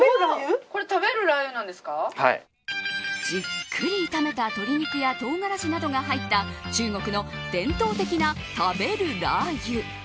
じっくり炒めた鶏肉や唐辛子などが入った中国の伝統的な食べるラー油。